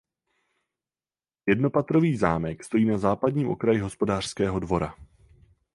Jednopatrový zámek stojí na západním okraji hospodářského dvora.